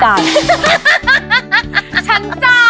ชั้นจ่าย